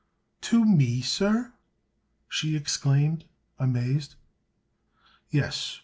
"To me, sir!" she exclaimed, amazed. "Yes.